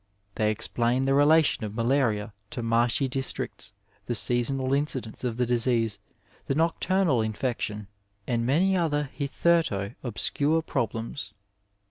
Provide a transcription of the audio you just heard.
They explain the relation of malaria to marshy districts, the seasonal incidence of the disease, the nocturnal infection, and many other hitherto obscure problems.